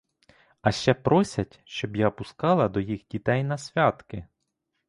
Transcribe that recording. А ще просять, щоб я пускала до їх дітей на святки!